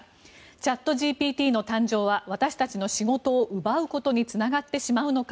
チャットＧＰＴの誕生は私たちの仕事を奪うことにつながってしまうのか